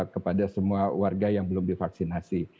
kepada semua warga yang belum divaksinasi